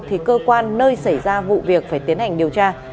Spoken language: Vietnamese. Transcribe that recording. thì cơ quan nơi xảy ra vụ việc phải tiến hành điều tra